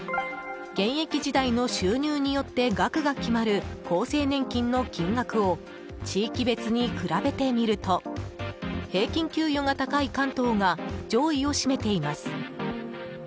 現役時代の収入によって額が決まる厚生年金の金額を地域別に比べてみると平均給与が高い関東が上位を占めています。